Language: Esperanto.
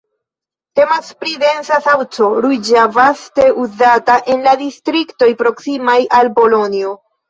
Temas pri densa saŭco, ruĝa, vaste uzata en la distriktoj proksimaj al Bolonjo.